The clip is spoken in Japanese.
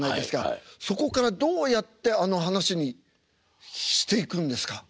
そこからどうやってあの噺にしていくんですか？